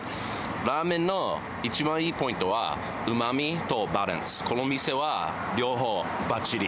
ラーメンの一番いいポイントは、うまみとバランス、この店は両方ばっちり。